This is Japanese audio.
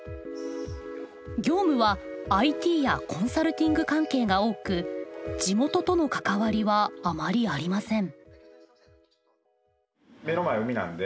業務はＩＴやコンサルティング関係が多く地元との関わりはあまりありません。